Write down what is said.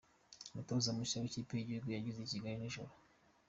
Umutoza mushya wikipe yigihugu yageze ikigali iri joro